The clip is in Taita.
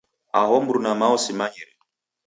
Aho mruma mao simanyire.